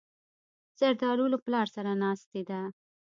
زردالو له پلار سره ناستې ده.